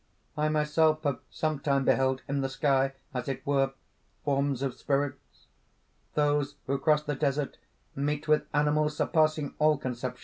I myself have sometime beheld in the sky, as it were, forms of spirits. Those who cross the desert meet with animals surpassing all conception...."